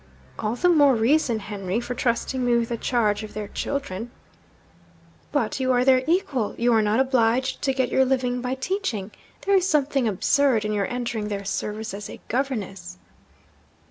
'All the more reason, Henry, for trusting me with the charge of their children.' 'But you are their equal; you are not obliged to get your living by teaching. There is something absurd in your entering their service as a governess!'